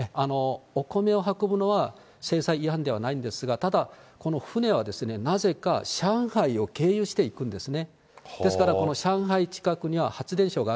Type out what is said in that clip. お米を運ぶのは制裁違反ではないんですが、ただ、この船はなぜか上海を経由して行くんですね。